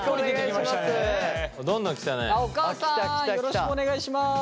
よろしくお願いします。